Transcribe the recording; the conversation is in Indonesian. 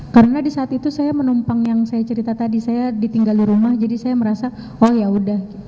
karena di saat itu saya menumpang yang saya cerita tadi saya ditinggal di rumah jadi saya merasa oh ya sudah